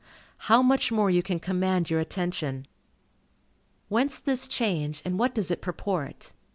How much more you can command your attention! Whence this change, and what does it purport?